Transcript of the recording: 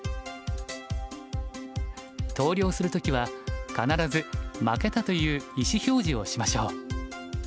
投了するときは必ず負けたという意思表示をしましょう。